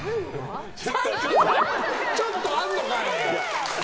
ちょっとあんのかい！